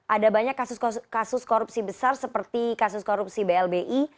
ada banyak kasus kasus korupsi besar seperti kasus korupsi blbi